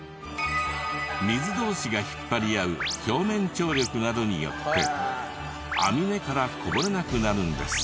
水同士が引っ張り合う表面張力などによって網目からこぼれなくなるんです。